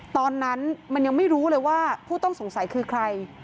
ตอนนั้นมันยังไม่รู้เลยว่าผู้ต้องสงสัยคือใคร